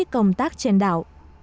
công tác trên đảo